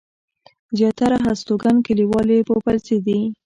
زياتره هستوګن کلیوال يې پوپلزي دي.